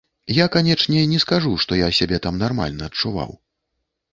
Я, канечне, не скажу, што я сябе там нармальна адчуваў.